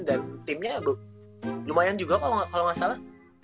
dan timnya lumayan juga kalo gak salah